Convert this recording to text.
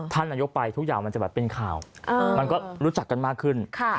ท่านนายกไปทุกอย่างมันจะแบบเป็นข่าวมันก็รู้จักกันมากขึ้น